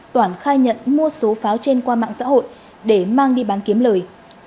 toản khai nhận mua số pháo trên qua mạng xã hội để mang đi bán kiếm lời